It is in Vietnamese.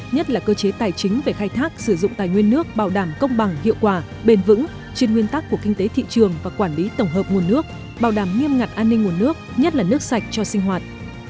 nhất là cơ chế tài chính về khai thác sử dụng tài nguyên nước bảo đảm công bằng hiệu quả bền vững trên nguyên tắc của kinh tế thị trường và quản lý tổng hợp nguồn nước bảo đảm nghiêm ngặt an ninh nguồn nước nhất là nước sạch cho sinh hoạt